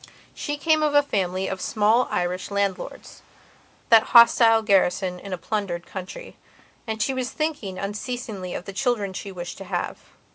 She came of a family of small Irish landlordsthat hostile garrison in a plundered country. And she was thinking unceasingly of the children she wished to have.